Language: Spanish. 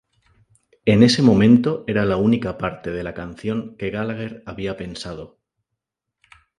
En ese momento, era la única parte de la canción que Gallagher había pensado.